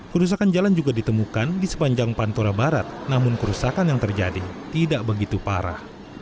kerusakan jalan juga ditemukan di sepanjang pantura barat namun kerusakan yang terjadi tidak begitu parah